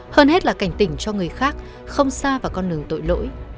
hơn hết là cảnh tỉnh cho người khác không xa vào con đường tội lỗi